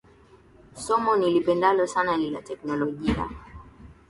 Somo nilipendalo sana ni la teknologia.